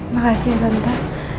makasih ya tante